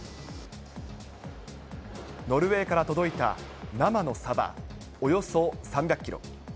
ノルウェーから届いた生のサバおよそ３００キロ。